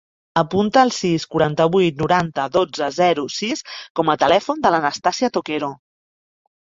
Apunta el sis, quaranta-vuit, noranta, dotze, zero, sis com a telèfon de l'Anastàsia Toquero.